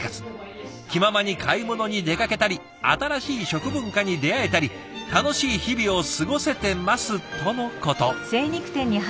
気ままに買い物に出かけたり新しい食文化に出会えたり楽しい日々を過ごせてますとのこと。